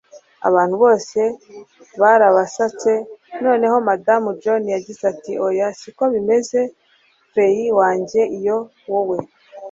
abantu bose barabasetse. noneho madamu john yagize ati 'oya siko bimeze, frien wanjye'. iyo wowe